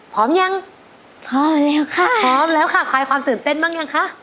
พร้อมยังพอแล้วค่ะพร้อมแล้วค่ะคลายความตื่นเต้นบ้างยังคะ